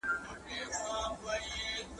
زه له هغه ښاره راغلم چي ملاله یې ګونګۍ ده `